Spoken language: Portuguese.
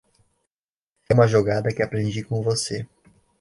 É uma jogada que aprendi com você.